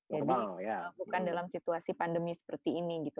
jadi bukan dalam situasi pandemi seperti ini gitu